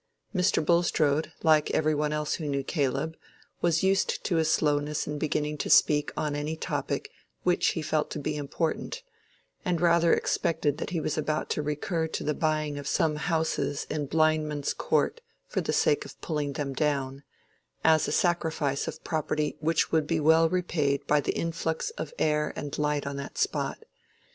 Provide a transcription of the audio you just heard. Mr. Bulstrode, like every one else who knew Caleb, was used to his slowness in beginning to speak on any topic which he felt to be important, and rather expected that he was about to recur to the buying of some houses in Blindman's Court, for the sake of pulling them down, as a sacrifice of property which would be well repaid by the influx of air and light on that spot.